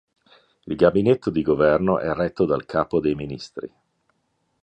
Il gabinetto di governo è retto dal Capo dei Ministri.